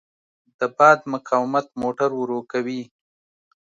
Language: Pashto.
د باد مقاومت موټر ورو کوي.